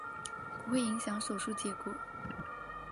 不会影响手术的结果。